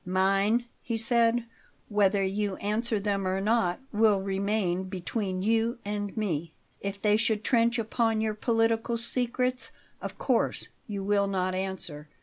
"Mine," he said, "whether you answer them or not, will remain between you and me. If they should trench upon your political secrets, of course you will not answer.